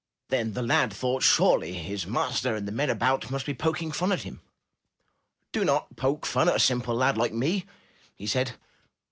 Then the lad thought surely his master and the men about must be poking fun at him. ''Do not poke fun at a simple lad like me/' he said.